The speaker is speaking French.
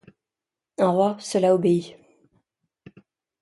Un roi, cela obéit.